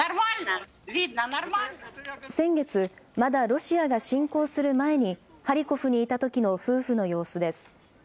先月、まだロシアが侵攻する前にハリコフにいたときの夫婦の様子です。